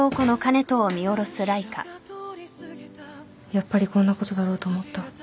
やっぱりこんなことだろうと思った。